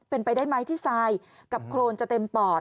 เป็นไปได้ไหมที่ทรายกับโครนจะเต็มปอด